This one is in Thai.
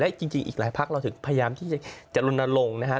จริงอีกหลายพักเราถึงพยายามที่จะลนลงนะฮะ